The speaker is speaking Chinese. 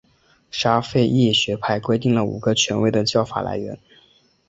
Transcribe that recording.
沙斐仪学派规定了五个权威的教法来源。